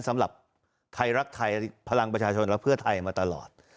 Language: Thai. สำหรับไทยรักไทยพลังประชาชนและเพื่อไทยมาตลอด